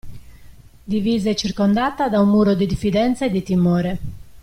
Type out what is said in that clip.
Divisa e circondata da un muro di diffidenza e di timore.